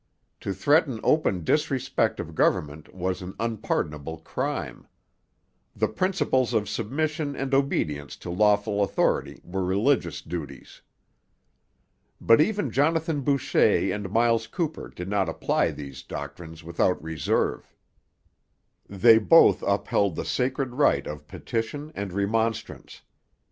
To threaten open disrespect of government was 'an unpardonable crime.' 'The principles of submission and obedience to lawful authority' were religious duties. But even Jonathan Boucher and Myles Cooper did not apply these doctrines without reserve. They both upheld the sacred right of petition and remonstrance.